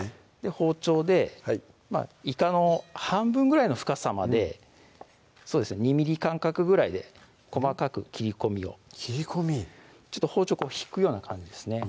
包丁でいかの半分ぐらいの深さまでそうですね２ｍｍ間隔ぐらいで細かく切り込みを切り込み包丁引くような感じですね